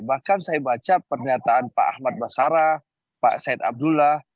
bahkan saya baca pernyataan pak ahmad basara pak said abdullah